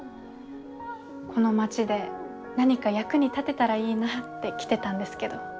この町で何か役に立てたらいいなって来てたんですけど。